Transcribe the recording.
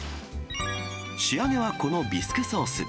仕上げはこのビスクソース。